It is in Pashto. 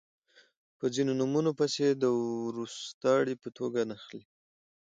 په ځینو نومونو پسې د وروستاړي په توګه نښلی